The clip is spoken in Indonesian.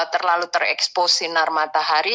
terlalu terekspos sinar matahari